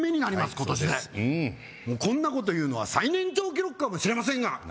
今年でこんなこと言うのは最年長記録かもしれませんが何？